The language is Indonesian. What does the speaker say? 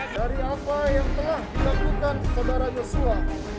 dari apa yang telah kita butuhkan saudara joshua